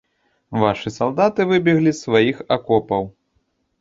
Вашы салдаты выбеглі з сваіх акопаў.